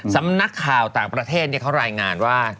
สำนักข่าวต่างประเทศเขารายงานว่า